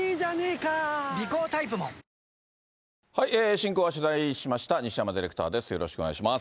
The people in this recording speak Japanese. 進行は取材しました西山ディレクターです。